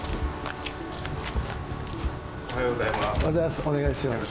おはようございます。